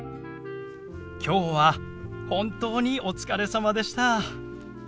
今日は本当にお疲れさまでした。